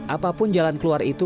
apapun jalan keluar itu